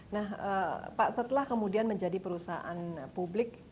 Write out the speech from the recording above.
nah pak setelah kemudian menjadi perusahaan publik